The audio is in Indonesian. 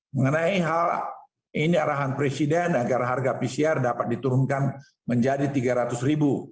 mengenai hal ini arahan presiden agar harga pcr dapat diturunkan menjadi rp tiga ratus